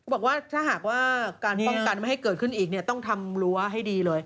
บอกว่าถ้าหากว่าการป้องกันไม่ให้เกิดขึ้นอีกเนี่ยต้องทำรั้วให้ดีเลย